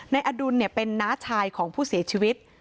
อดุลเป็นน้าชายของผู้เสียชีวิต